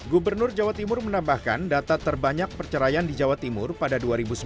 gubernur jawa timur menambahkan data terbanyak perceraian di jawa timur pada dua ribu sembilan belas